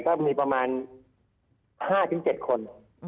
ก็มีประมาณ๕๗คน